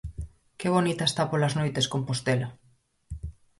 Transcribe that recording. Que bonita está polas noites Compostela.